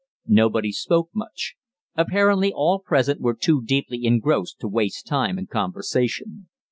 Nobody spoke much. Apparently all present were too deeply engrossed to waste time in conversation.